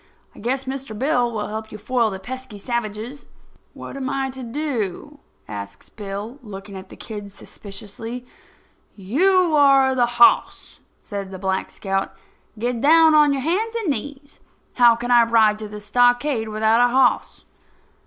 I guess Mr. Bill will help you foil the pesky savages." "What am I to do?" asks Bill, looking at the kid suspiciously. "You are the hoss," says Black Scout. "Get down on your hands and knees. How can I ride to the stockade without a hoss?"